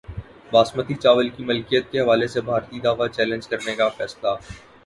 باسمتی چاول کی ملکیت کے حوالے سے بھارتی دعوی چیلنج کرنے کا فیصلہ